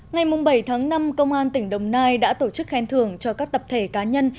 ngày bảy tháng năm công an tỉnh đồng nai đã tổ chức khen thưởng cho các tập thể cá nhân